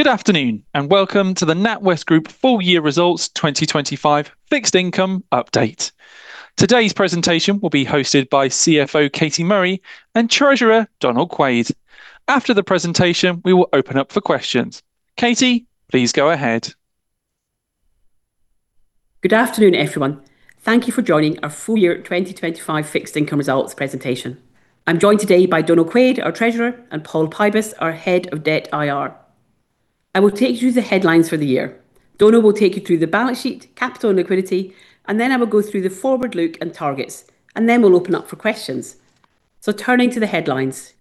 Good afternoon, and welcome to the NatWest Group Full Year Results 2025 Fixed Income Update. Today's presentation will be hosted by CFO, Katie Murray, and Treasurer, Donal Quaid. After the presentation, we will open up for questions. Katie, please go ahead. Good afternoon, everyone. Thank you for joining our Full Year 2025 Fixed Income Results Presentation. I'm joined today by Donal Quaid, our Treasurer, and Paul Pybus, our head of Debt IR. I will take you through the headlines for the year. Donal will take you through the balance sheet, capital and liquidity, and then I will go through the forward look and targets, and then we'll open up for questions. So turning to the headlines.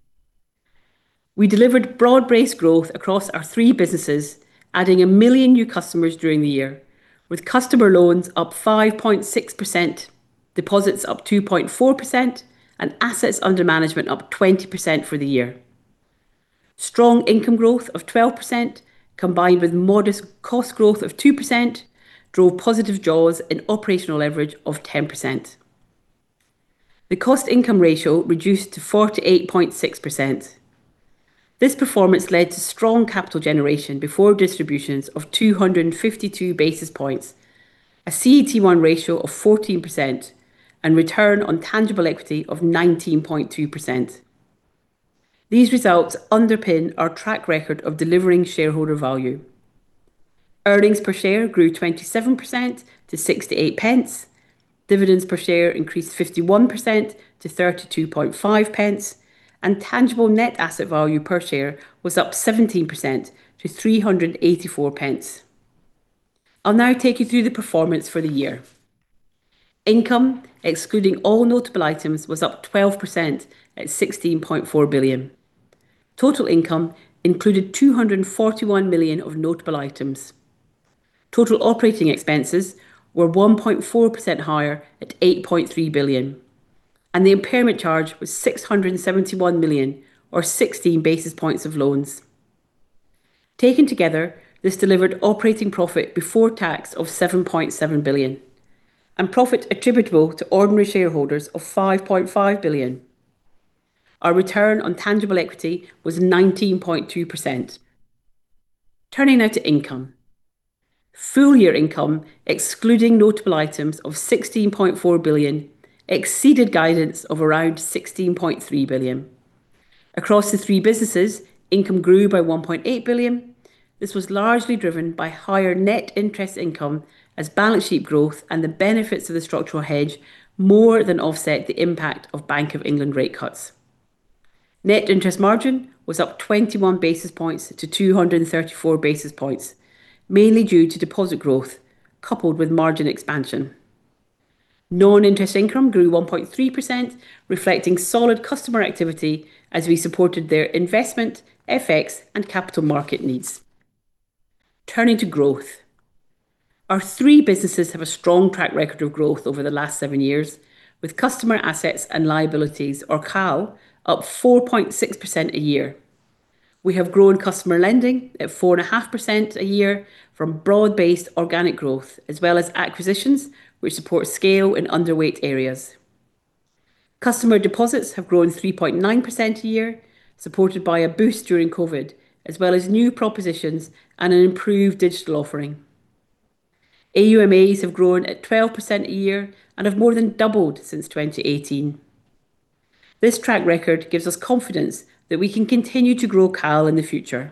We delivered broad-based growth across our three businesses, adding 1 million new customers during the year, with customer loans up 5.6%, deposits up 2.4%, and assets under management up 20% for the year. Strong income growth of 12%, combined with modest cost growth of 2%, drove positive jaws and operational leverage of 10%. The cost income ratio reduced to 48.6%. This performance led to strong capital generation before distributions of 252 basis points, a CET1 ratio of 14, and return on tangible equity of 19.2%. These results underpin our track record of delivering shareholder value. Earnings per share grew 27% to 0.68. Dividends per share increased 51% to 0.325, and tangible net asset value per share was up 17% to 3.84. I'll now take you through the performance for the year. Income, excluding all notable items, was up 12% at 16.4 billion. Total income included 241 million of notable items. Total operating expenses were 1.4% higher at 8.3 billion, and the impairment charge was 671 million or 16 basis points of loans. Taken together, this delivered operating profit before tax of 7.7 billion, and profit attributable to ordinary shareholders of 5.5 billion. Our return on tangible equity was 19.2%. Turning now to income. Full year income, excluding notable items of 16.4 billion, exceeded guidance of around 16.3 billion. Across the three businesses, income grew by 1.8 billion. This was largely driven by higher net interest income as balance sheet growth and the benefits of the structural hedge more than offset the impact of Bank of England rate cuts. Net interest margin was up 21 basis points to 234 basis points, mainly due to deposit growth, coupled with margin expansion. Non-interest income grew 1.3%, reflecting solid customer activity as we supported their investment, FX, and capital market needs. Turning to growth. Our three businesses have a strong track record of growth over the last 7 years, with customer assets and liabilities, or CAL, up 4.6% a year. We have grown customer lending at 4.5% a year from broad-based organic growth, as well as acquisitions, which support scale in underweight areas. Customer deposits have grown 3.9% a year, supported by a boost during COVID, as well as new propositions and an improved digital offering. AUMAs have grown at 12% a year and have more than doubled since 2018. This track record gives us confidence that we can continue to grow CAL in the future.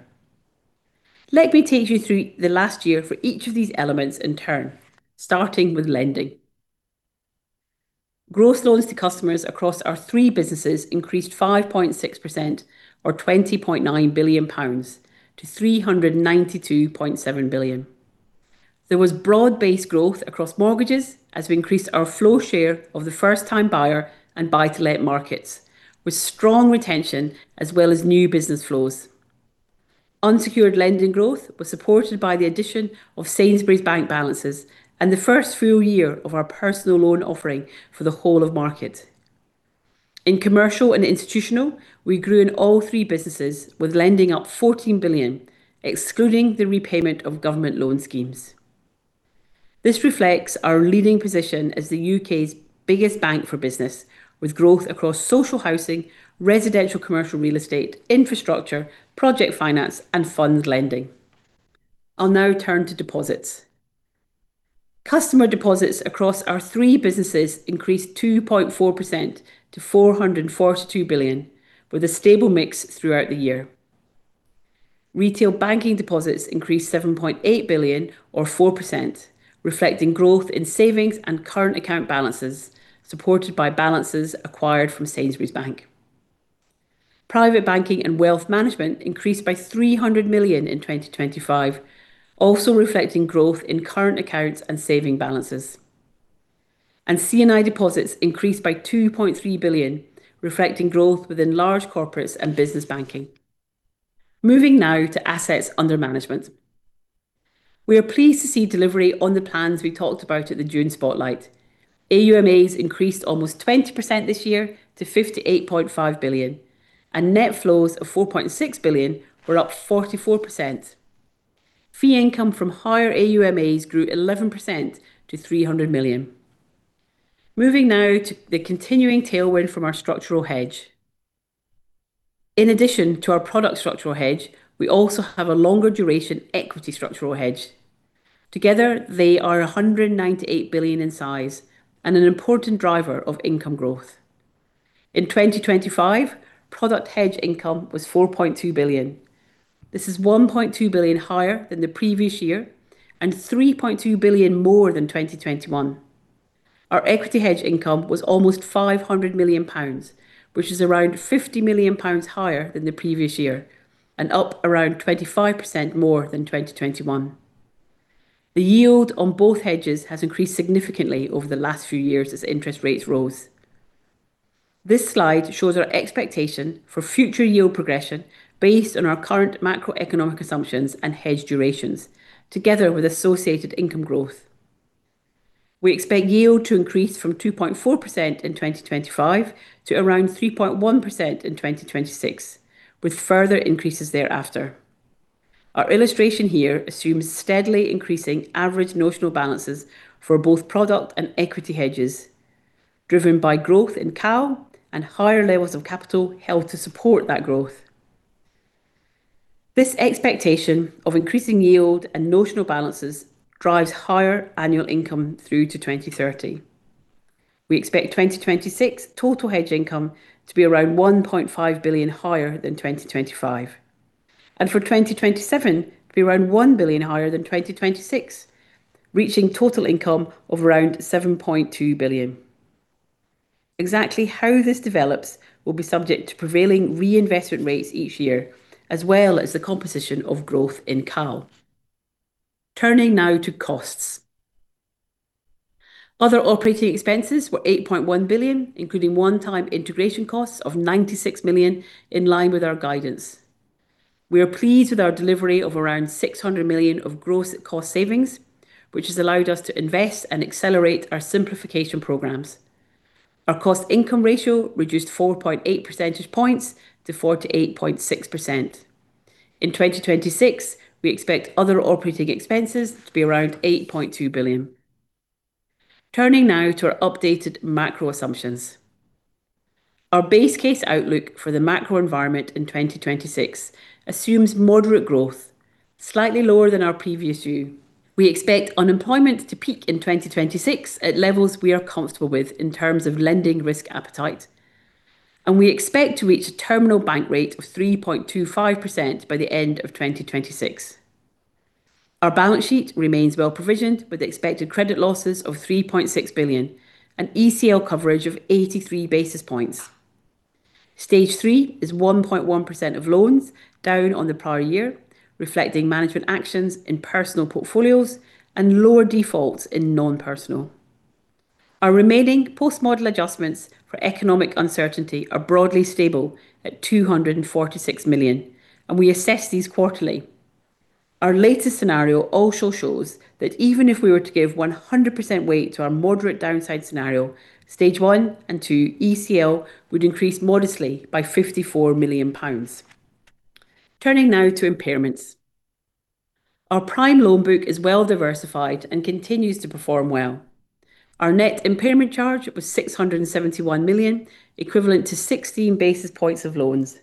Let me take you through the last year for each of these elements in turn, starting with lending. Gross loans to customers across our three businesses increased 5.6% or GBP 20.9 billion to GBP 392.7 billion. There was broad-based growth across mortgages as we increased our flow share of the first-time buyer and buy-to-let markets, with strong retention as well as new business flows. Unsecured lending growth was supported by the addition of Sainsbury's Bank balances and the first full year of our personal loan offering for the whole of market. In Commercial & Institutional, we grew in all three businesses, with lending up 14 billion, excluding the repayment of government loan schemes. This reflects our leading position as the UK's biggest bank for business, with growth across social housing, residential commercial real estate, infrastructure, project finance, and fund lending. I'll now turn to deposits. Customer deposits across our three businesses increased 2.4% to 442 billion, with a stable mix throughout the year. Retail Banking deposits increased 7.8 billion or 4%, reflecting growth in savings and current account balances, supported by balances acquired from Sainsbury's Bank. Private Banking and Wealth Management increased by 300 million in 2025, also reflecting growth in current accounts and saving balances. C&I deposits increased by 2.3 billion, reflecting growth within large corporates and business banking. Moving now to assets under management. We are pleased to see delivery on the plans we talked about at the June Spotlight. AUMAs increased almost 20% this year to 58.5 billion, and net flows of 4.6 billion were up 44%. Fee income from higher AUMAs grew 11% to 300 million. Moving now to the continuing tailwind from our structural hedge. In addition to our product structural hedge, we also have a longer duration equity structural hedge. Together, they are 198 billion in size and an important driver of income growth. In 2025, product hedge income was 4.2 billion. This is 1.2 billion higher than the previous year and 3.2 billion more than 2021. Our equity hedge income was almost 500 million pounds, which is around 50 million pounds higher than the previous years and up around 25% more than 2021. The yield on both hedges has increased significantly over the last few years as interest rates rose. This slide shows our expectation for future yield progression based on our current macroeconomic assumptions and hedge durations, together with associated income growth. We expect yield to increase from 2.4% in 2025 to around 3.1% in 2026, with further increases thereafter. Our illustration here assumes steadily increasing average notional balances for both product and equity hedges, driven by growth in CAL and higher levels of capital held to support that growth. This expectation of increasing yield and notional balances drives higher annual income through to 2030. We expect 2026 total hedge income to be around 1.5 billion higher than 2025, and for 2027 to be around 1 billion higher than 2026, reaching total income of around 7.2 billion. Exactly how this develops will be subject to prevailing reinvestment rates each year, as well as the composition of growth in CAL. Turning now to costs. Other operating expenses were 8.1 billion, including one-time integration costs of 96 million, in line with our guidance. We are pleased with our delivery of around 600 million of gross cost savings, which has allowed us to invest and accelerate our simplification programs. Our cost income ratio reduced 4.8 percentage points to 48.6%. In 2026, we expect other operating expenses to be around 8.2 billion. Turning now to our updated macro assumptions. Our base case outlook for the macro environment in 2026 assumes moderate growth, slightly lower than our previous view. We expect unemployment to peak in 2026 at levels we are comfortable with in terms of lending risk appetite, and we expect to reach a terminal bank rate of 3.25% by the end of 2026. Our balance sheet remains well provisioned, with expected credit losses of 3.6 billion and ECL coverage of 83 basis points. Stage 3 is 1.1% of loans, down on the prior year, reflecting management actions in personal portfolios and lower defaults in non-personal. Our remaining post-model adjustments for economic uncertainty are broadly stable at 246 million, and we assess these quarterly. Our latest scenario also shows that even if we were to give 100% weight to our moderate downside scenario, Stage 1 and 2 ECL would increase modestly by 54 million pounds. Turning now to impairments. Our prime loan book is well diversified and continues to perform well. Our net impairment charge was 671 million, equivalent to 16 basis points of loans.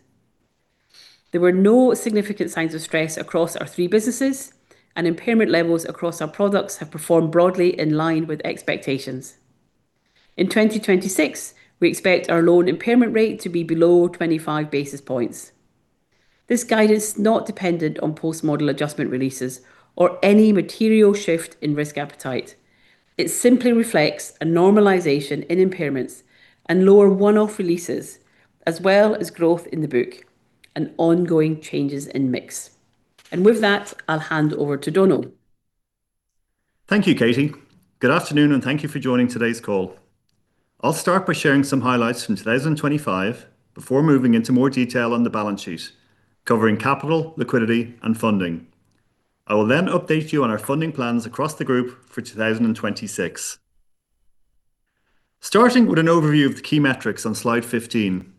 There were no significant signs of stress across our three businesses, and impairment levels across our products have performed broadly in line with expectations. In 2026, we expect our loan impairment rate to be below 25 basis points. This guidance is not dependent on post-model adjustment releases or any material shift in risk appetite. It simply reflects a normalization in impairments and lower one-off releases, as well as growth in the book and ongoing changes in mix. And with that, I'll hand over to Donal. Thank you, Katie. Good afternoon, and thank you for joining today's call. I'll start by sharing some highlights from 2025 before moving into more detail on the balance sheet, covering capital, liquidity, and funding. I will then update you on our funding plans across the group for 2026. Starting with an overview of the key metrics on Slide 15,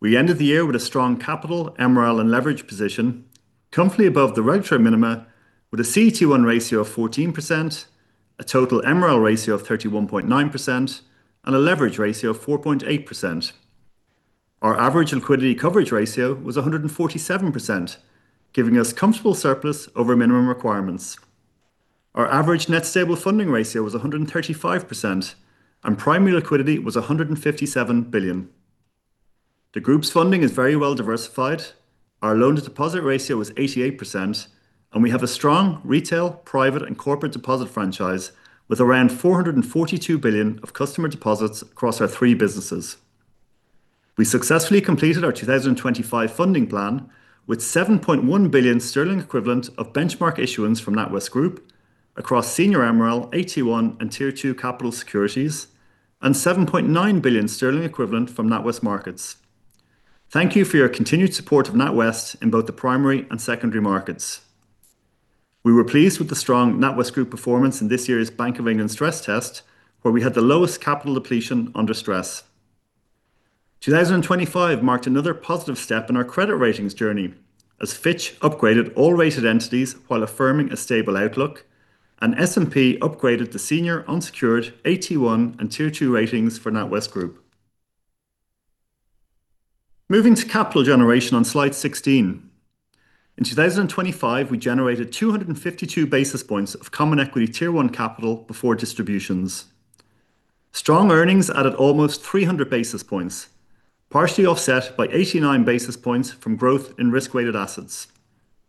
we ended the year with a strong capital, MREL, and leverage position, comfortably above the regulatory minima with a CET1 ratio of 14%, a total MREL ratio of 31.9%, and a leverage ratio of 4.8%. Our average Liquidity Coverage Ratio was 147%, giving us comfortable surplus over minimum requirements. Our average Net Stable Funding Ratio was 135%, and primary liquidity was 157 billion. The group's funding is very well diversified. Our loan-to-deposit ratio is 88%, and we have a strong retail, private, and corporate deposit franchise with around 442 billion of customer deposits across our three businesses. We successfully completed our 2025 funding plan with 7.1 billion sterling equivalent of benchmark issuance from NatWest Group across Senior MREL, AT1, and Tier 2 capital securities, and 7.9 billion sterling equivalent from NatWest Markets. Thank you for your continued support of NatWest in both the primary and secondary markets. We were pleased with the strong NatWest Group performance in this year's Bank of England stress test, where we had the lowest capital depletion under stress. 2025 marked another positive step in our credit ratings journey, as Fitch upgraded all rated entities while affirming a stable outlook, and S&P upgraded the Senior Unsecured AT1 and Tier 2 ratings for NatWest Group. Moving to capital generation on slide 16. In 2025, we generated 252 basis points of Common Equity Tier 1 capital before distributions. Strong earnings added almost 300 basis points, partially offset by 89 basis points from growth in risk-weighted assets.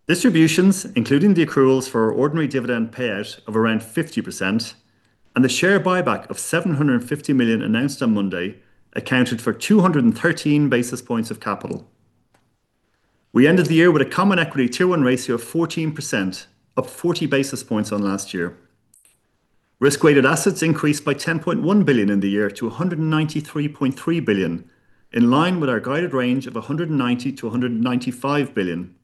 Distributions, including the accruals for our ordinary dividend payout of around 50%, and the share buyback of 750 million announced on Monday, accounted for 213 basis points of capital. We ended the year with a Common Equity Tier 1 ratio of 14%, up 40 basis points on last year. Risk-weighted assets increased by 10.1 billion in the year to 193.3 billion, in line with our guided range of 190-195 billion.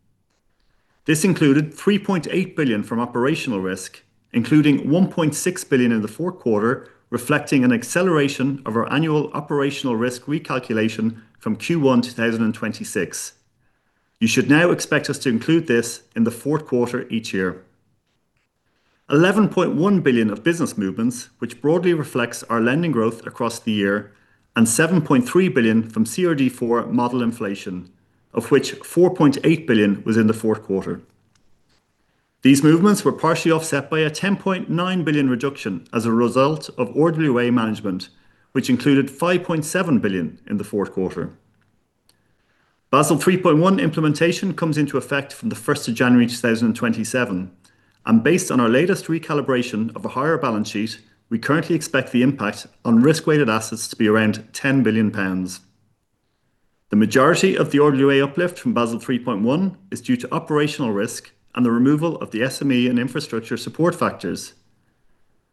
This included 3.8 billion from operational risk, including 1.6 billion in the fourth quarter, reflecting an acceleration of our annual operational risk recalculation from Q1 2026. You should now expect us to include this in the fourth quarter each year. 11.1 billion of business movements, which broadly reflects our lending growth across the year, and 7.3 billion from CRD4 model inflation, of which 4.8 billion was in the fourth quarter. These movements were partially offset by a 10.9 billion reduction as a result of RWA management, which included 5.7 billion in the fourth quarter. Basel 3.1 implementation comes into effect from the first of January 2027, and based on our latest recalibration of a higher balance sheet, we currently expect the impact on risk-weighted assets to be around 10 billion pounds. The majority of the RWA uplift from Basel 3.1 is due to operational risk and the removal of the SME and infrastructure support factors.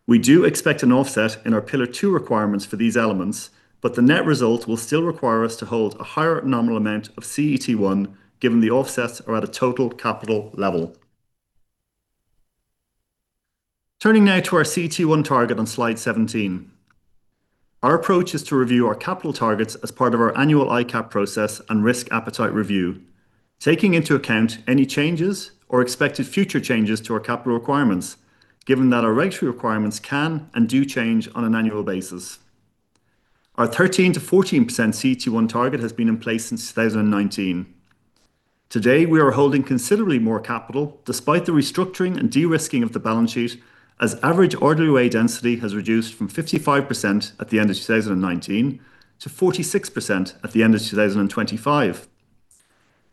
We do expect an offset in our Pillar 2 requirements for these elements, but the net result will still require us to hold a higher nominal amount of CET1, given the offsets are at a total capital level. Turning now to our CET1 target on slide 17. Our approach is to review our capital targets as part of our annual ICAAP process and risk appetite review, taking into account any changes or expected future changes to our capital requirements, given that our regulatory requirements can and do change on an annual basis. Our 13%-14% CET1 target has been in place since 2019. Today, we are holding considerably more capital despite the restructuring and de-risking of the balance sheet, as average RWA density has reduced from 55% at the end of 2019 to 46% at the end of 2025.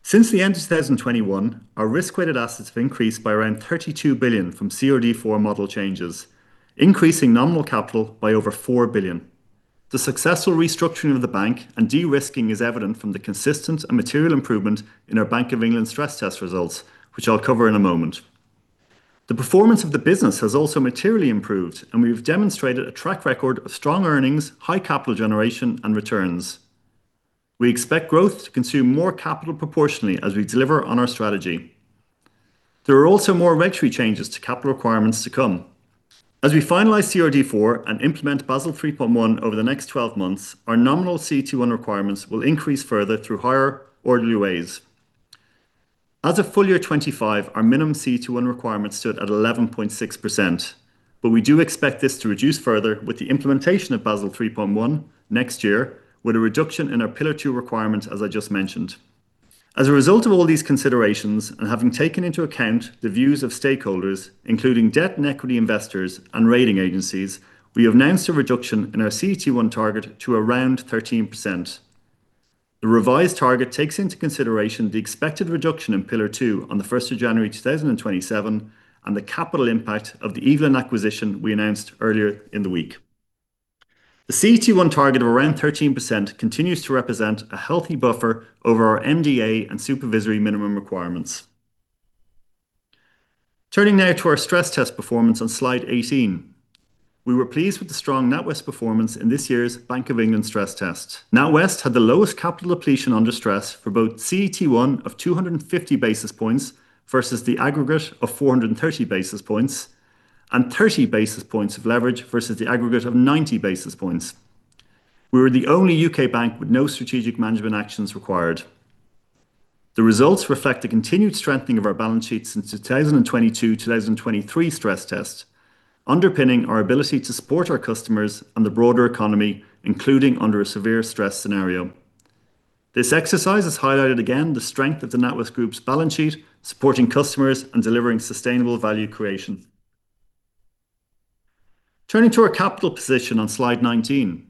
Since the end of 2021, our risk-weighted assets have increased by around 32 billion from CRD4 model changes, increasing nominal capital by over 4 billion. The successful restructuring of the bank and de-risking is evident from the consistent and material improvement in our Bank of England stress test results, which I'll cover in a moment. The performance of the business has also materially improved, and we've demonstrated a track record of strong earnings, high capital generation, and returns. We expect growth to consume more capital proportionally as we deliver on our strategy. There are also more regulatory changes to capital requirements to come. As we finalize CRD4 and implement Basel 3.1 over the next 12 months, our nominal CET1 requirements will increase further through higher RWAs. As of full year 2025, our minimum CET1 requirements stood at 11.6%, but we do expect this to reduce further with the implementation of Basel 3.1 next year, with a reduction in our Pillar 2 requirements, as I just mentioned. As a result of all these considerations, and having taken into account the views of stakeholders, including debt and equity investors and rating agencies, we have announced a reduction in our CET1 target to around 13%. The revised target takes into consideration the expected reduction in Pillar 2 on January 1, 2027, and the capital impact of the Evelyn acquisition we announced earlier in the week. The CET1 target of around 13% continues to represent a healthy buffer over our MDA and supervisory minimum requirements. Turning now to our stress test performance on slide 18. We were pleased with the strong NatWest performance in this year's Bank of England stress test. NatWest had the lowest capital depletion under stress for both CET1 of 250 basis points versus the aggregate of 430 basis points, and 30 basis points of leverage versus the aggregate of 90 basis points. We were the only U.K. bank with no strategic management actions required. The results reflect the continued strengthening of our balance sheet since the 2022/2023 stress test, underpinning our ability to support our customers and the broader economy, including under a severe stress scenario. This exercise has highlighted again the strength of the NatWest Group's balance sheet, supporting customers and delivering sustainable value creation. Turning to our capital position on slide 19.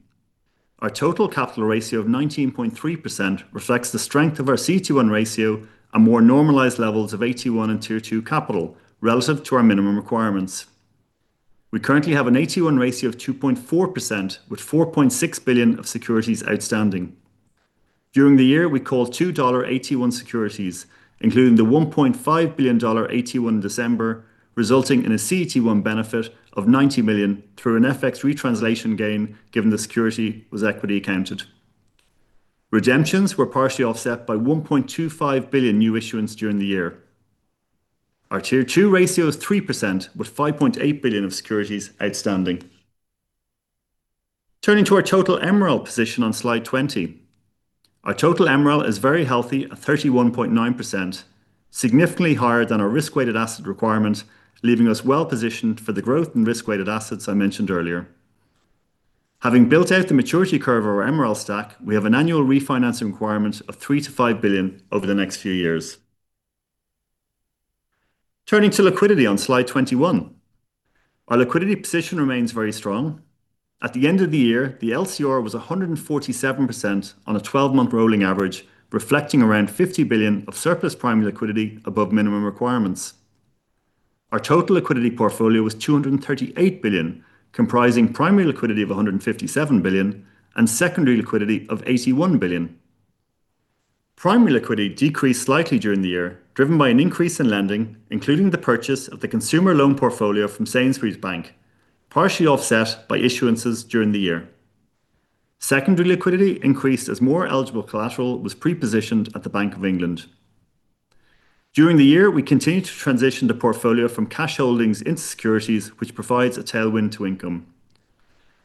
Our total capital ratio of 19.3% reflects the strength of our CET1 ratio and more normalized levels of AT1 and Tier 2 capital relative to our minimum requirements. We currently have an AT1 ratio of 2.4%, with 4.6 billion of securities outstanding. During the year, we called two dollar AT1 securities, including the $1.5 billion AT1 in December, resulting in a CET1 benefit of 90 million through an FX retranslation gain, given the security was equity accounted. Redemptions were partially offset by 1.25 billion new issuance during the year... Our Tier 2 ratio is 3%, with 5.8 billion of securities outstanding. Turning to our total MREL position on Slide 20. Our total MREL is very healthy, at 31.9%, significantly higher than our risk-weighted asset requirement, leaving us well-positioned for the growth in risk-weighted assets I mentioned earlier. Having built out the maturity curve of our MREL stack, we have an annual refinancing requirement of 3 billion-5 billion over the next few years. Turning to liquidity on Slide 21. Our liquidity position remains very strong. At the end of the year, the LCR was 147% on a 12-month rolling average, reflecting around 50 billion of surplus primary liquidity above minimum requirements. Our total liquidity portfolio was 238 billion, comprising primary liquidity of 157 billion and secondary liquidity of 81 billion. Primary liquidity decreased slightly during the year, driven by an increase in lending, including the purchase of the consumer loan portfolio from Sainsbury's Bank, partially offset by issuances during the year. Secondary liquidity increased as more eligible collateral was pre-positioned at the Bank of England. During the year, we continued to transition the portfolio from cash holdings into securities, which provides a tailwind to income.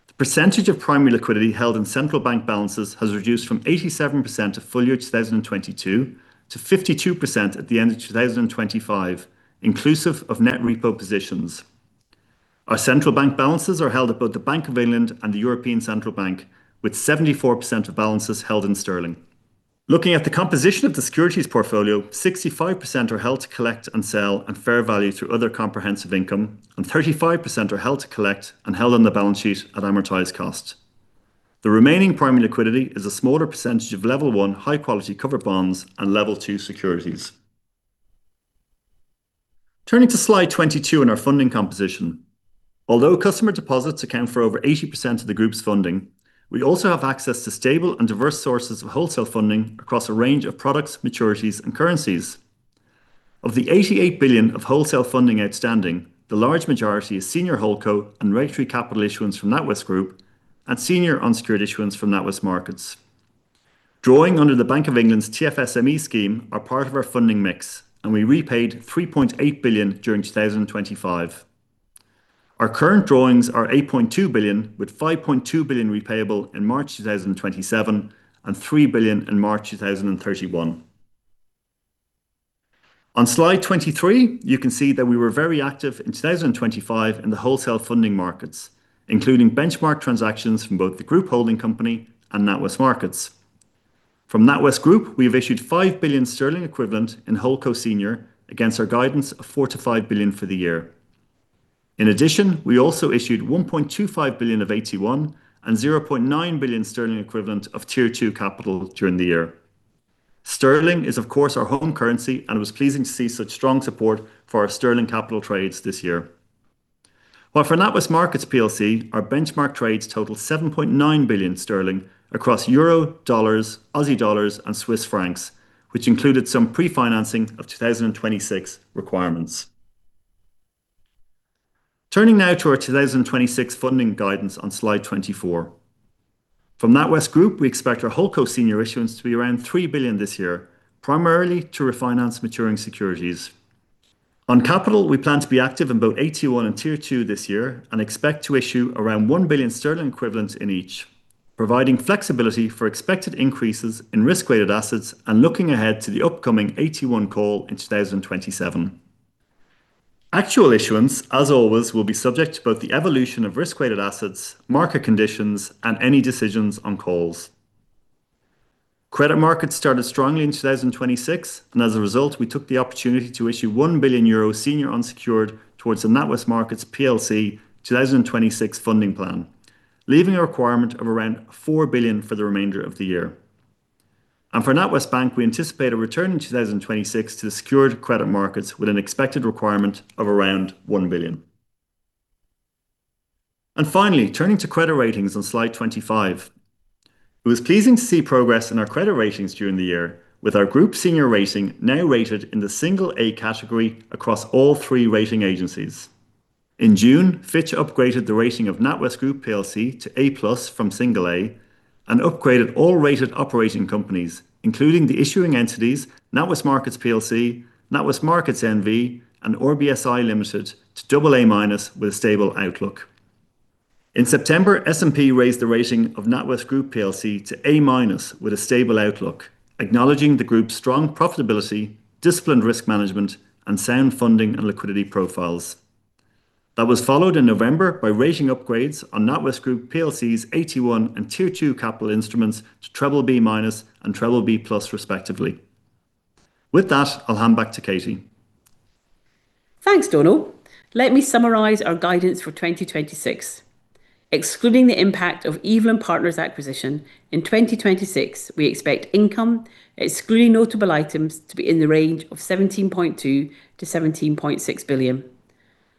The percentage of primary liquidity held in central bank balances has reduced from 87% of full year 2022 to 52% at the end of 2025, inclusive of net repo positions. Our central bank balances are held at both the Bank of England and the European Central Bank, with 74% of balances held in sterling. Looking at the composition of the securities portfolio, 65% are held to collect and sell at fair value through other comprehensive income, and 35% are held to collect and held on the balance sheet at amortized cost. The remaining primary liquidity is a smaller percentage of Level 1 high-quality covered bonds and Level 2 securities. Turning to Slide 22 and our funding composition. Although customer deposits account for over 80% of the group's funding, we also have access to stable and diverse sources of wholesale funding across a range of products, maturities, and currencies. Of the 88 billion of wholesale funding outstanding, the large majority is Senior Holdco and regulatory capital issuance from NatWest Group and senior unsecured issuance from NatWest Markets. Drawings under the Bank of England's TFSME scheme are part of our funding mix, and we repaid 3.8 billion during 2025. Our current drawings are 8.2 billion, with 5.2 billion repayable in March 2027, and 3 billion in March 2031. On Slide 23, you can see that we were very active in 2025 in the wholesale funding markets, including benchmark transactions from both the group holding company and NatWest Markets. From NatWest Group, we have issued 5 billion sterling equivalent in Holdco Senior against our guidance of 4-5 billion for the year. In addition, we also issued 1.25 billion of AT1 and 0.9 billion sterling equivalent of Tier 2 capital during the year. Sterling is, of course, our home currency, and it was pleasing to see such strong support for our sterling capital trades this year. While for NatWest Markets, our benchmark trades totaled 7.9 billion sterling across euro, dollars, Aussie dollars, and Swiss francs, which included some pre-financing of 2026 requirements. Turning now to our 2026 funding guidance on Slide 24. From NatWest Group, we expect our Holdco Senior issuance to be around 3 billion this year, primarily to refinance maturing securities. On capital, we plan to be active in both AT1 and Tier 2 this year and expect to issue around 1 billion sterling equivalents in each, providing flexibility for expected increases in risk-weighted assets and looking ahead to the upcoming AT1 call in 2027. Actual issuance, as always, will be subject to both the evolution of risk-weighted assets, market conditions, and any decisions on calls. Credit markets started strongly in 2026, and as a result, we took the opportunity to issue 1 billion euro senior unsecured towards the NatWest Markets PLC 2026 funding plan, leaving a requirement of around 4 billion for the remainder of the year. For NatWest Bank, we anticipate a return in 2026 to the secured credit markets with an expected requirement of around 1 billion. Finally, turning to credit ratings on Slide 25. It was pleasing to see progress in our credit ratings during the year, with our group senior rating now rated in the single A category across all three rating agencies. In June, Fitch upgraded the rating of NatWest Group PLC to A plus from single A and upgraded all rated operating companies, including the issuing entities, NatWest Markets PLC, NatWest Markets N.V., and RBSI Limited, to double A-minus with a stable outlook. In September, S&P raised the rating of NatWest Group PLC to A-minus with a stable outlook, acknowledging the group's strong profitability, disciplined risk management, and sound funding and liquidity profiles. That was followed in November by rating upgrades on NatWest Group PLC's AT1 and Tier 2 capital instruments to triple B-minus and triple B plus, respectively. With that, I'll hand back to Katie. Thanks, Donal. Let me summarize our guidance for 2026. Excluding the impact of Evelyn Partners acquisition, in 2026, we expect income, excluding notable items, to be in the range of 17.2 billion-17.6 billion.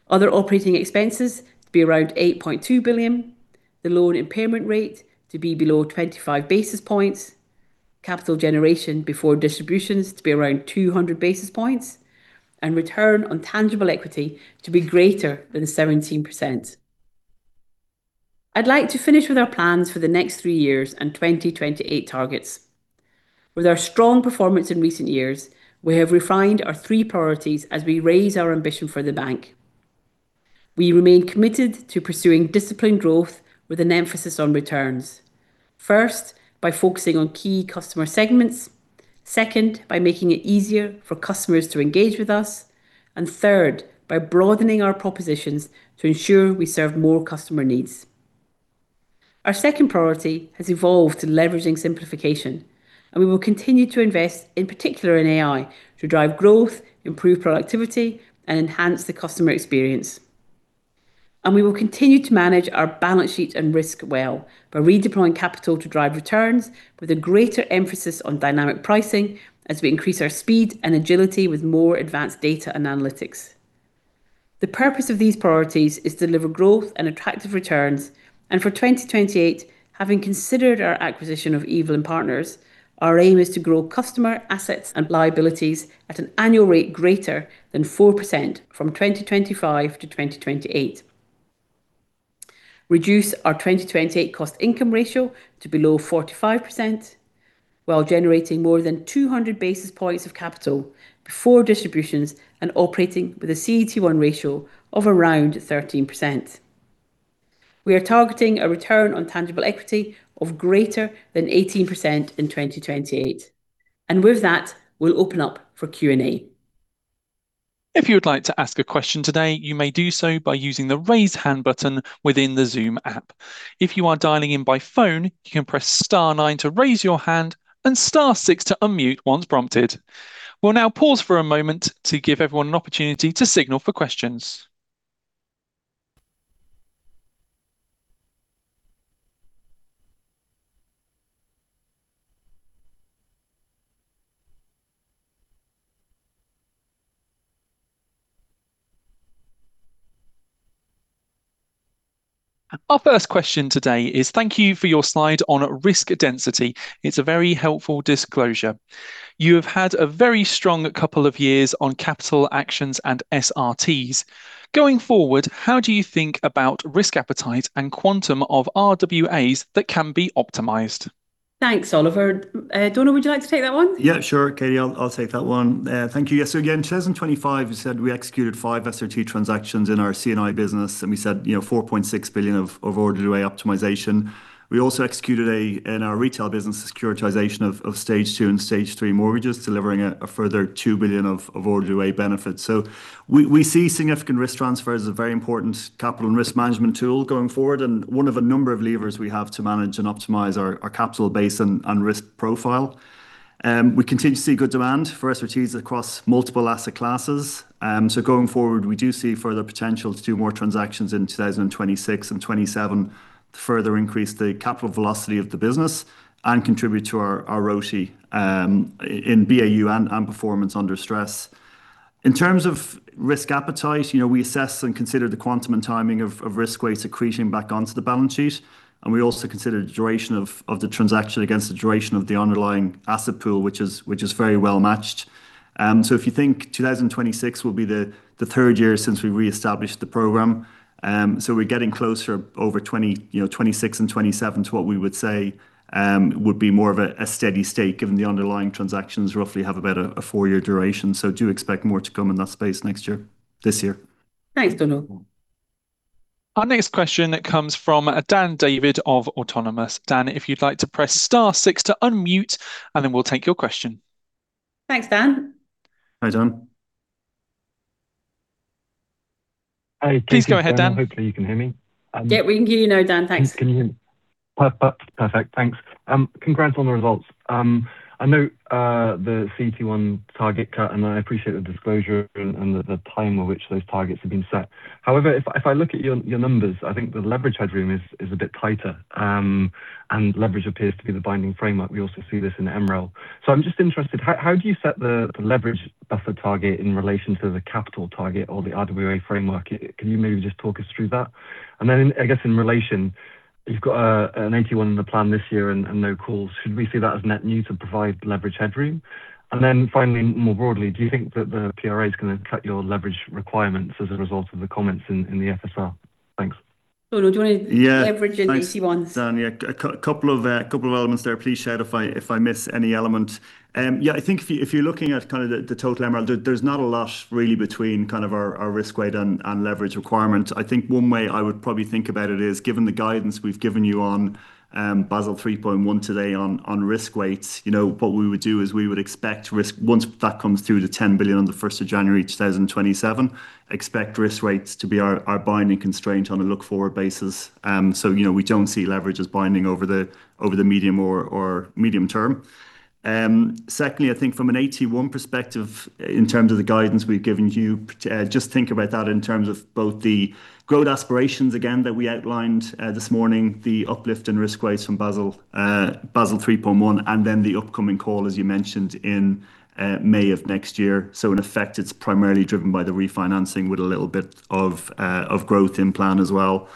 Other operating expenses to be around 8.2 billion. The loan impairment rate to be below 25 basis points. Capital generation before distributions to be around 200 basis points. And return on tangible equity to be greater than 17%.... I'd like to finish with our plans for the next three years and 2028 targets. With our strong performance in recent years, we have refined our three priorities as we raise our ambition for the bank. We remain committed to pursuing disciplined growth with an emphasis on returns. First, by focusing on key customer segments, second, by making it easier for customers to engage with us, and third, by broadening our propositions to ensure we serve more customer needs. Our second priority has evolved to leveraging simplification, and we will continue to invest, in particular in AI, to drive growth, improve productivity, and enhance the customer experience. We will continue to manage our balance sheet and risk well by redeploying capital to drive returns with a greater emphasis on dynamic pricing as we increase our speed and agility with more advanced data and analytics. The purpose of these priorities is to deliver growth and attractive returns, and for 2028, having considered our acquisition of Evelyn Partners, our aim is to grow customer assets and liabilities at an annual rate greater than 4% from 2025 to 2028. Reduce our 2028 cost-income ratio to below 45%, while generating more than 200 basis points of capital before distributions and operating with a CET1 ratio of around 13%. We are targeting a return on tangible equity of greater than 18% in 2028. With that, we'll open up for Q&A. If you would like to ask a question today, you may do so by using the Raise Hand button within the Zoom app. If you are dialing in by phone, you can press star nine to raise your hand and star six to unmute once prompted. We'll now pause for a moment to give everyone an opportunity to signal for questions. Our first question today is: Thank you for your slide on risk density. It's a very helpful disclosure. You have had a very strong couple of years on capital actions and SRTs. Going forward, how do you think about risk appetite and quantum of RWAs that can be optimized? Thanks, Oliver. Donal, would you like to take that one? Yeah, sure, Katie, I'll take that one. Thank you. Yes, so again, in 2025, you said we executed five SRT transactions in our C&I business, and we said, you know, 4.6 billion of RWA optimization. We also executed, in our retail business, securitization of Stage 2 and Stage 3 mortgages, delivering a further 2 billion of RWA benefits. So we see significant risk transfer as a very important capital and risk management tool going forward, and one of a number of levers we have to manage and optimize our capital base and risk profile. We continue to see good demand for SRTs across multiple asset classes. So going forward, we do see further potential to do more transactions in 2026 and 2027, to further increase the capital velocity of the business and contribute to our, our ROTE, in BAU and, and performance under stress. In terms of risk appetite, you know, we assess and consider the quantum and timing of risk weight securitizing back onto the balance sheet, and we also consider the duration of the transaction against the duration of the underlying asset pool, which is very well matched. So if you think 2026 will be the third year since we reestablished the program, so we're getting closer over 2026, you know, 2027 to what we would say would be more of a steady state, given the underlying transactions roughly have about a four-year duration. Do expect more to come in that space next year, this year. Thanks, Donal. Our next question comes from Dan David of Autonomous. Dan, if you'd like to press star six to unmute, and then we'll take your question. Thanks, Dan. Hi, Dan. Please go ahead, Dan. Hopefully you can hear me. Yeah, we can hear you now, Dan. Thanks. Please, can you hear me? Perfect. Thanks. Congrats on the results. I know the CET1 target cut, and I appreciate the disclosure and the time at which those targets have been set. However, if I look at your numbers, I think the leverage headroom is a bit tighter, and leverage appears to be the binding framework. We also see this in MREL. So I'm just interested, how do you set the leverage buffer target in relation to the capital target or the RWA framework? Can you maybe just talk us through that? And then, I guess, in relation, you've got an 81 in the plan this year and no calls. Should we see that as net new to provide leverage headroom? Then finally, more broadly, do you think that the PRA is gonna cut your leverage requirements as a result of the comments in the FSR? Thanks. So, Donal, do you want to- Yeah. Leverage in AT1s. Thanks, Dan. Yeah, a couple of elements there. Please shout if I miss any element. Yeah, I think if you're looking at the total MREL, there's not a lot really between our risk weight and leverage requirement. I think one way I would probably think about it is, given the guidance we've given you on Basel 3.1 today on risk weights, you know, what we would do is we would expect risk weights. Once that comes through to 10 billion on the first of January 2027, expect risk weights to be our binding constraint on a look-forward basis. So you know, we don't see leverage as binding over the medium term. Secondly, I think from an AT1 perspective, in terms of the guidance we've given you, just think about that in terms of both the growth aspirations again that we outlined this morning, the uplift in risk weights from Basel 3.1, and then the upcoming call, as you mentioned, in May of next year. So in effect, it's primarily driven by the refinancing with a little bit of growth in plan as well.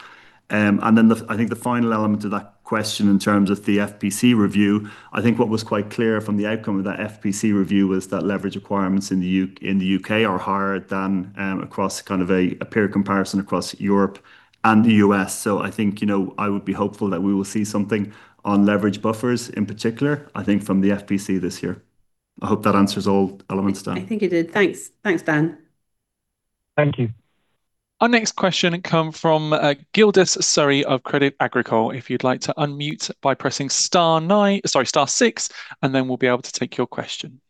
And then the, I think the final element to that question in terms of the FPC review, I think what was quite clear from the outcome of that FPC review was that leverage requirements in the UK are higher than across kind of a peer comparison across Europe and the US. So I think, you know, I would be hopeful that we will see something on leverage buffers, in particular, I think from the FPC this year. I hope that answers all elements, Dan. I think it did. Thanks. Thanks, Dan.... Thank you. Our next question come from, Gildas Surry of Crédit Agricole. If you'd like to unmute by pressing star nine, sorry, star six, and then we'll be able to take your question.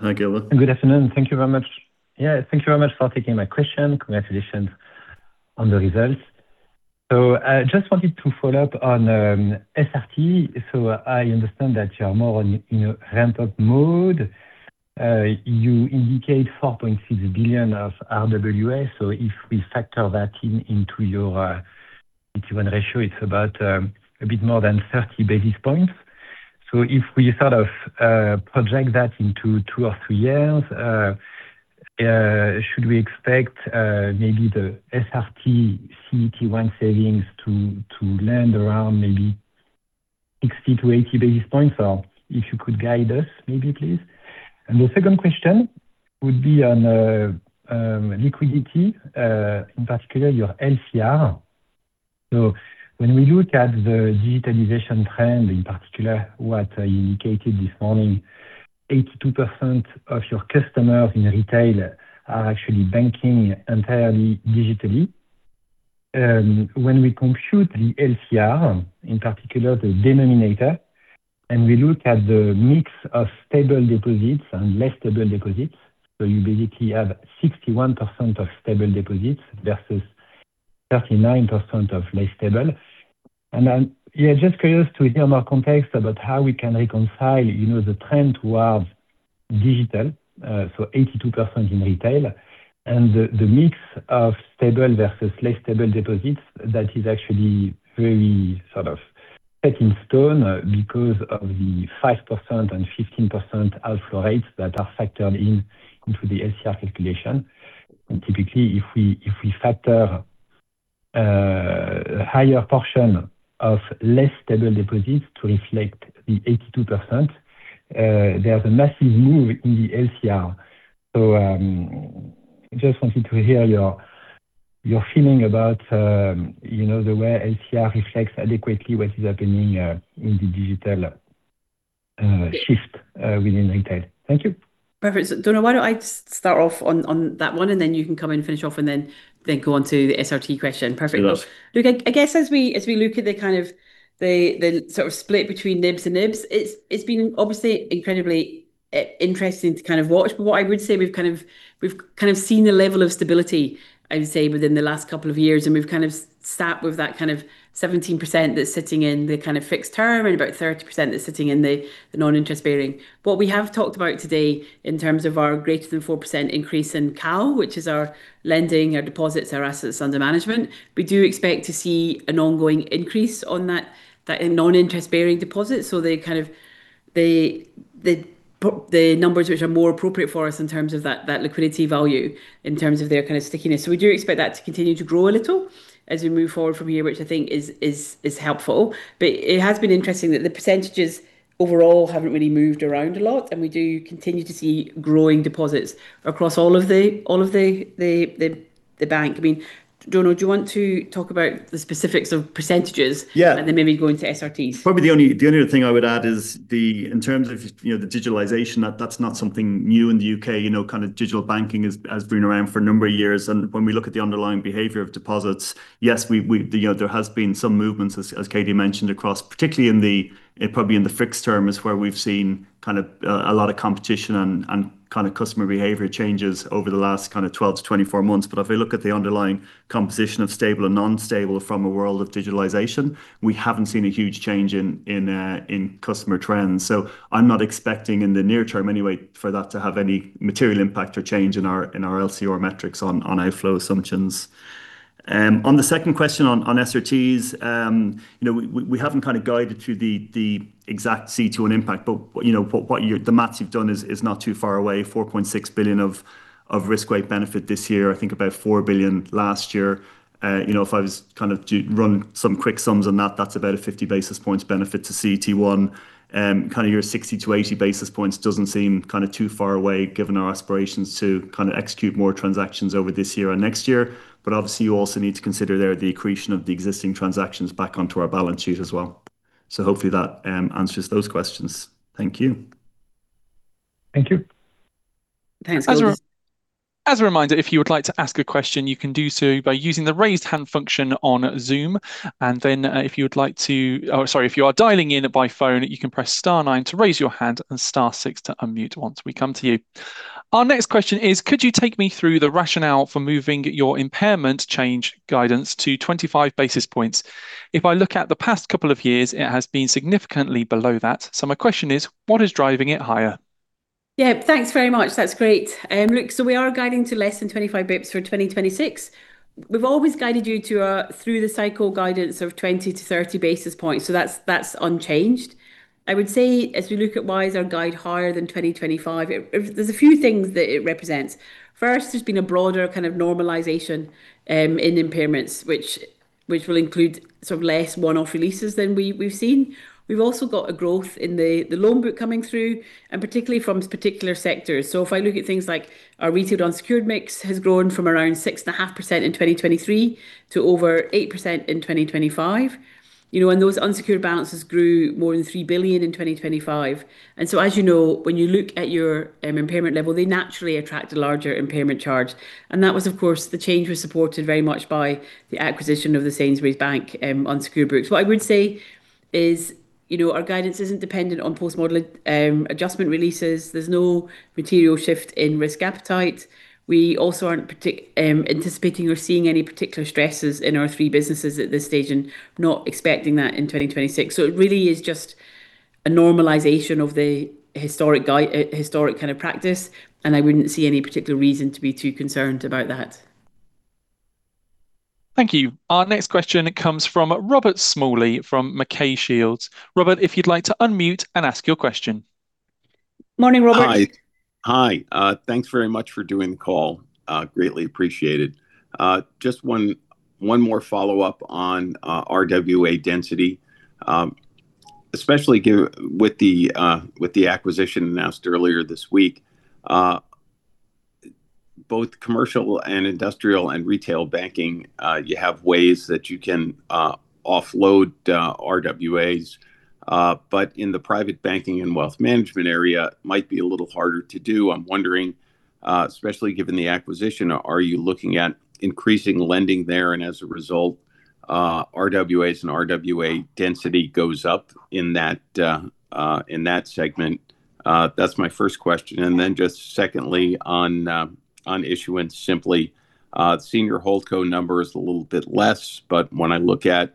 Hi, Gildas. Good afternoon. Thank you very much. Yeah, thank you very much for taking my question. Congratulations on the results. So I just wanted to follow up on SRT. So I understand that you are more on, in a ramp-up mode. You indicate 4.6 billion of RWA, so if we factor that in, into your ratio, it's about a bit more than 30 basis points. So if we sort of project that into 2 or 3 years, should we expect maybe the SRT CET1 savings to land around maybe 60-80 basis points? Or if you could guide us, maybe, please. And the second question would be on liquidity, in particular, your LCR. So when we look at the digitalization trend, in particular, what you indicated this morning, 82% of your customers in retail are actually banking entirely digitally. When we compute the LCR, in particular, the denominator, and we look at the mix of stable deposits and less stable deposits, so you basically have 61% of stable deposits versus 39% of less stable. And then, yeah, just curious to hear more context about how we can reconcile, you know, the trend towards digital, so 82% in retail, and the mix of stable versus less stable deposits that is actually very sort of set in stone, because of the 5% and 15% outflow rates that are factored in into the LCR calculation. And typically, if we factor a higher portion of less stable deposits to reflect the 82%, there's a massive move in the LCR. So, just wanted to hear your feeling about, you know, the way LCR reflects adequately what is happening in the digital shift within retail. Thank you. Perfect. So, Donal, why don't I start off on that one, and then you can come in and finish off, and then go on to the SRT question? Perfect. Sure. Look, I guess as we look at the sort of split between NIBs and IBs, it's been obviously incredibly interesting to kind of watch. But what I would say, we've kind of seen the level of stability, I'd say, within the last couple of years, and we've kind of stuck with that kind of 17% that's sitting in the kind of fixed term and about 30% that's sitting in the non-interest bearing. What we have talked about today in terms of our greater than 4% increase in CAL, which is our lending, our deposits, our assets under management, we do expect to see an ongoing increase on that non-interest-bearing deposit. So they kind of—the numbers which are more appropriate for us in terms of that liquidity value, in terms of their kind of stickiness. So we do expect that to continue to grow a little as we move forward from here, which I think is helpful. But it has been interesting that the percentages overall haven't really moved around a lot, and we do continue to see growing deposits across all of the bank. I mean, Donal, do you want to talk about the specifics of percentages? Yeah. And then maybe go into SRTs? Probably, the only other thing I would add is, in terms of, you know, the digitalization, that's not something new in the UK. You know, kind of digital banking has been around for a number of years, and when we look at the underlying behavior of deposits, yes, we, you know, there has been some movements, as Katie mentioned, across, particularly in the, probably in the fixed term is where we've seen kind of, a lot of competition and kind of customer behavior changes over the last kind of 12-24 months. But if we look at the underlying composition of stable and non-stable from a world of digitalization, we haven't seen a huge change in, in customer trends. So I'm not expecting in the near term anyway, for that to have any material impact or change in our, in our LCR metrics on, on outflow assumptions. On the second question on, on SRTs, you know, we, we, we haven't kind of guided to the, the exact CET1 impact but, you know, what, what you're-- the math you've done is, is not too far away, 4.6 billion of, of risk weight benefit this year, I think about 4 billion last year. You know, if I was kind of to run some quick sums on that, that's about a 50 basis points benefit to CET1. Kind of your 60-80 basis points doesn't seem kind of too far away, given our aspirations to kind of execute more transactions over this year and next year. But obviously, you also need to consider there the accretion of the existing transactions back onto our balance sheet as well. So hopefully that answers those questions. Thank you. Thank you. Thanks. As a reminder, if you would like to ask a question, you can do so by using the raised hand function on Zoom, and then, if you would like to... Oh, sorry, if you are dialing in by phone, you can press star nine to raise your hand and star six to unmute once we come to you. Our next question is: Could you take me through the rationale for moving your impairment change guidance to 25 basis points? If I look at the past couple of years, it has been significantly below that. So my question is, what is driving it higher? Yeah, thanks very much. That's great. Look, so we are guiding to less than 25 basis points for 2026. We've always guided you to, through the cycle guidance of 20-30 basis points, so that's unchanged. I would say, as we look at why is our guide higher than 2025, there's a few things that it represents. First, there's been a broader kind of normalization in impairments, which will include sort of less one-off releases than we've seen. We've also got a growth in the loan book coming through, and particularly from particular sectors. So if I look at things like our retail unsecured mix has grown from around 6.5% in 2023 to over 8% in 2025. You know, and those unsecured balances grew more than 3 billion in 2025. And so, as you know, when you look at your impairment level, they naturally attract a larger impairment charge. And that was, of course, the change was supported very much by the acquisition of the Sainsbury's Bank unsecured books. What I would say is, you know, our guidance isn't dependent on post-model adjustment releases. There's no material shift in risk appetite. We also aren't anticipating or seeing any particular stresses in our three businesses at this stage and not expecting that in 2026. So it really is just a normalization of the historic guide, historic kind of practice, and I wouldn't see any particular reason to be too concerned about that. Thank you. Our next question comes from Robert Smalley from MacKay Shields. Robert, if you'd like to unmute and ask your question. Morning, Robert. Hi. Hi, thanks very much for doing the call, greatly appreciated. Just one more follow-up on RWA density. Especially with the acquisition announced earlier this week, both commercial and industrial and retail banking, you have ways that you can offload RWAs, but in the private banking and wealth management area, might be a little harder to do. I'm wondering, especially given the acquisition, are you looking at increasing lending there, and as a result, RWAs and RWA density goes up in that segment? That's my first question. And then just secondly, on issuance, simply, senior holdco number is a little bit less, but when I look at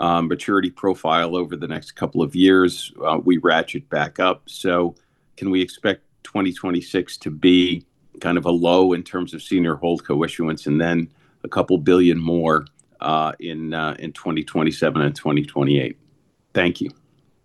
maturity profile over the next couple of years, we ratchet back up. So can we expect 2026 to be kind of a low in terms of senior holdco issuance and then a couple billion GBP more in 2027 and 2028? Thank you.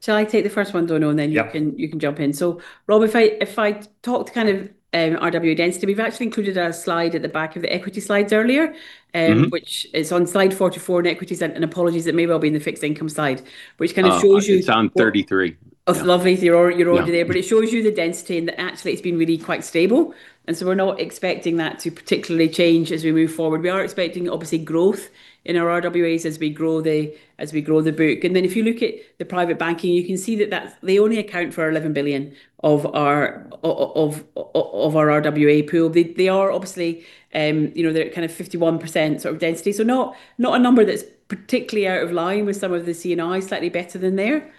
Shall I take the first one, Donal- Yeah... and then you can jump in. So, Rob, if I talked kind of, RWA density, we've actually included a slide at the back of the equity slides earlier- Mm-hmm... which is on slide 44 in equities, and apologies, it may well be in the fixed income slide, which kind of shows you- It's on 33. Oh, lovely. You're, you're already there. Yeah. But it shows you the density, and that actually it's been really quite stable, and so we're not expecting that to particularly change as we move forward. We are expecting, obviously, growth in our RWAs as we grow the, as we grow the book. And then if you look at the private banking, you can see that that's... They only account for 11 billion of our RWA pool. They, they are obviously, you know, they're at kind of 51% sort of density. So not a number that's particularly out of line with some of the CNI, slightly better than there.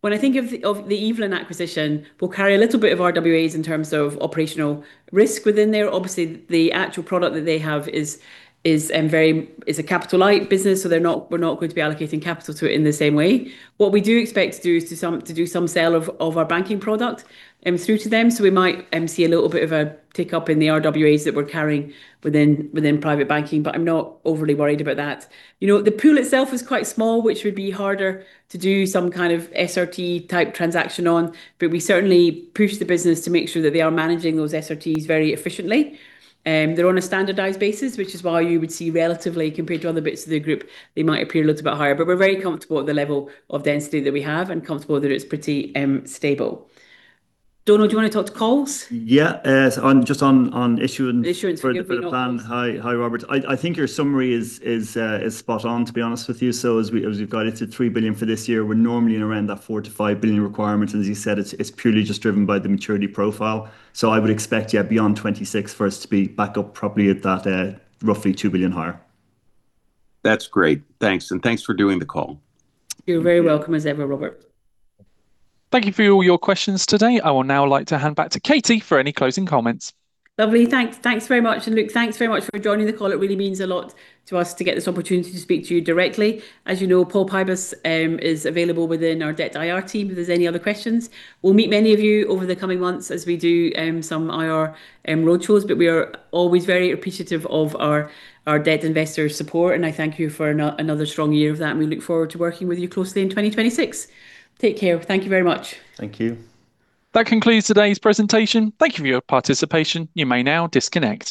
When I think of the Evelyn acquisition, we'll carry a little bit of RWAs in terms of operational risk within there. Obviously, the actual product that they have is a capital-light business, so they're not, we're not going to be allocating capital to it in the same way. What we do expect to do is to do some sale of our banking product through to them. So we might see a little bit of a tick-up in the RWAs that we're carrying within private banking, but I'm not overly worried about that. You know, the pool itself is quite small, which would be harder to do some kind of SRT-type transaction on, but we certainly push the business to make sure that they are managing those SRTs very efficiently. They're on a standardized basis, which is why you would see relatively, compared to other bits of the group, they might appear a little bit higher. But we're very comfortable with the level of density that we have and comfortable that it's pretty stable. Donal, do you want to talk to calls? Yeah, just on issuance- Issuance for the plan. Yep. Hi. Hi, Robert. I think your summary is spot on, to be honest with you. So as we've guided to 3 billion for this year, we're normally in around that 4 billion-5 billion requirement. As you said, it's purely just driven by the maturity profile. So I would expect, yeah, beyond 2026 for us to be back up properly at that roughly 2 billion higher. That's great. Thanks, and thanks for doing the call. You're very welcome, as ever, Robert. Thank you for all your questions today. I will now like to hand back to Katie for any closing comments. Lovely. Thanks. Thanks very much, and Luke, thanks very much for joining the call. It really means a lot to us to get this opportunity to speak to you directly. As you know, Paul Pybus is available within our Debt IR team if there's any other questions. We'll meet many of you over the coming months as we do some IR road shows, but we are always very appreciative of our debt investor support, and I thank you for another strong year of that, and we look forward to working with you closely in 2026. Take care. Thank you very much. Thank you. That concludes today's presentation. Thank you for your participation. You may now disconnect.